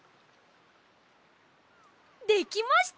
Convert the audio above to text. できました！